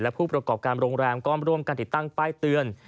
ผู้ประกอบการโรงแรมก็ร่วมกันติดตั้งป้ายเตือน